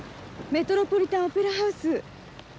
メトロポリタン・オペラ・ハウス。